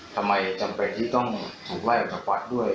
ทำไมจำเป็นที่ต้องถูกไล่ออกจากวัดด้วย